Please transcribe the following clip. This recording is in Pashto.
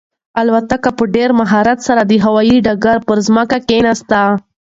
الوتکه په ډېر مهارت سره د هوايي ډګر پر ځمکه کښېناسته.